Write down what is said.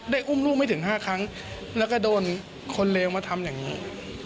อุ้มลูกไม่ถึง๕ครั้งแล้วก็โดนคนเลวมาทำอย่างนี้